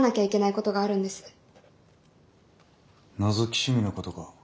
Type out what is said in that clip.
のぞき趣味のことか。